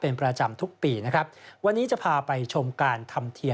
เป็นประจำทุกปีนะครับวันนี้จะพาไปชมการทำเทียน